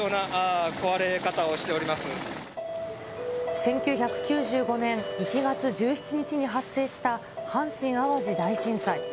１９９５年１月１７日に発生した、阪神・淡路大震災。